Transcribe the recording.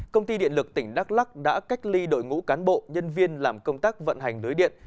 công ty điện lực tỉnh đắk lắc đã cách ly đội ngũ cán bộ nhân viên làm công tác vận hành lưới điện